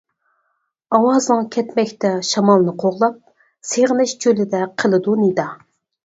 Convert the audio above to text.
ئاۋازىڭ كەتمەكتە شامالنى قوغلاپ، سېغىنىش چۆلىدە قىلىدۇ نىدا.